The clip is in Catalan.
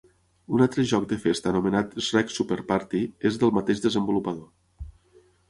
Un altre joc de festa anomenat "Shrek super party" és del mateix desenvolupador.